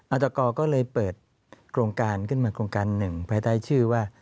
ตกก็เลยเปิดโครงการขึ้นมาโครงการหนึ่งภายใต้ชื่อว่า